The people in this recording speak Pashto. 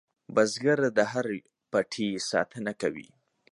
بزګر د هر پټي ساتنه کوي